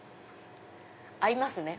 合いますね！